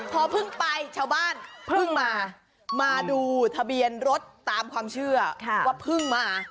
พอเพิ่งไปชาวบ้านเพิ่งมามาดูทะเบียนรถตามความเชื่อว่าเพิ่งมา